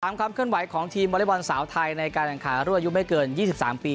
ตามความเคลื่อนไหวของทีมบริบันสาวไทยในการอังคารรั่วอายุไม่เกิน๒๓ปี